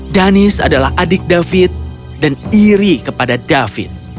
danis adalah adik david dan iri kepada david